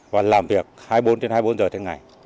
và làm việc hai mươi bốn trên hai mươi bốn giờ